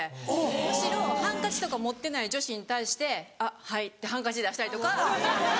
むしろハンカチとか持ってない女子に対して「あっはい」ってハンカチ出したりとか。